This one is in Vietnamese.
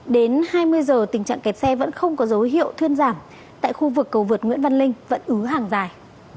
đến hai mươi giờ tình trạng kẹt xe vẫn không có dấu hiệu thuyên giảm tại khu vực cầu vượt nguyễn văn linh vẫn ứ hàng dài